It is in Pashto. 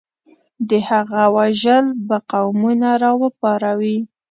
د هغه وژل به قومونه راوپاروي.